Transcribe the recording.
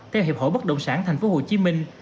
theo hiệp hội bất động sản thành phố hồ chí minh